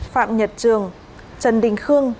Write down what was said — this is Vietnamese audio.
phạm nhật trường trần đình khương